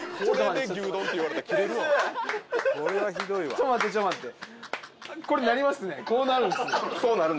ちょっと待てちょっと待て。